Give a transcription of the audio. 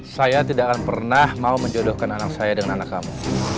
saya tidak akan pernah mau menjodohkan anak saya dengan anak kamu